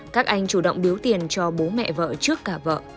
các anh chủ động biếu tiền cho bố mẹ vợ trước cả vợ